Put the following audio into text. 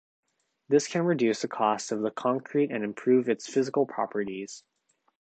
This can reduce the cost of the concrete and improve its physical properties.